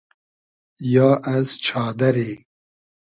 یا از چادئری